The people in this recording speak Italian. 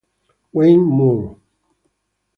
Wayne Moore